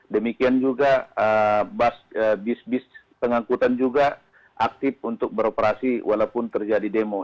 demikian juga bis bis pengangkutan juga aktif untuk beroperasi walaupun terjadi demo